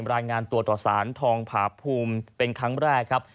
รายงานตัวต่อสารทองผาภูมิเป็นครั้งแรกครับ